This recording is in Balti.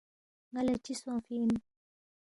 ن٘ا لہ چی سونگفی اِن